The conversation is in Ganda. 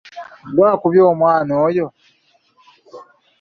Ggwe wakubye omwana oyo?